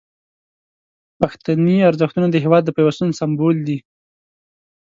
پښتني ارزښتونه د هیواد د پیوستون سمبول دي.